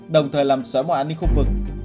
đồng thời làm xóa mọi an ninh khu vực